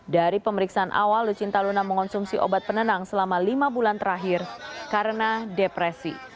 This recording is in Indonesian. dari pemeriksaan awal lucinta luna mengonsumsi obat penenang selama lima bulan terakhir karena depresi